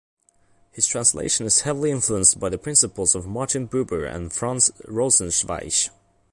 His translation is heavily influenced by the principles of Martin Buber and Franz Rosenzweig.